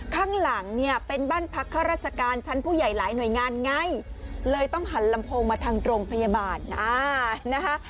ข้างหลังเนี่ยเป็นบ้านพักข้าราชการชั้นผู้ใหญ่หลายหน่วยงานไงเลยต้องหันลำโพงมาทางโรงพยาบาลอ่านะคะ